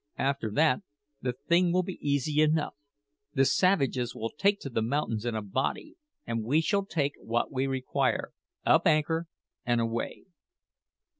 After that the thing will be easy enough. The savages will take to the mountains in a body, and we shall take what we require, up anchor, and away."